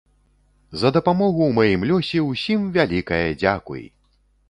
За дапамогу ў маім лёсе ўсім вялікае дзякуй!